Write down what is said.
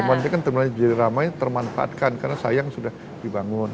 kemudian kan terminalnya jadi ramai termanfaatkan karena sayang sudah dibangun